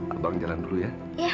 abang jalan dulu ya